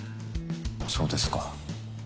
そうですか。